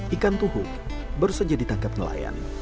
ikan tuhuk bersejati tangkap nelayan